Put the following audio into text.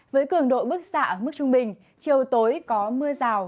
với cường độ bức xạ ở mức trung bình chiều tối có mưa rào